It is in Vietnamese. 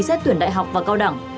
xét tuyển đại học và cao đẳng